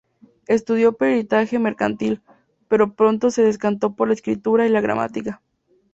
Estudió peritaje mercantil, pero pronto se decantó por la escritura y la gramática.